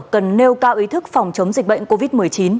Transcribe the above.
cần nêu cao ý thức phòng chống dịch bệnh covid một mươi chín